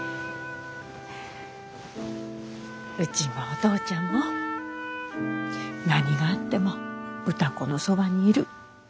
うちもお父ちゃんも何があっても歌子のそばにいる。